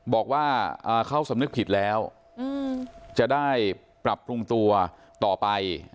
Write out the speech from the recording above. บอกว่าเขาสำนึกผิดแล้วจะได้ปรับปรุงตัวต่อไป